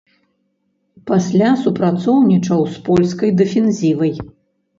Пасля супрацоўнічаў з польскай дэфензівай.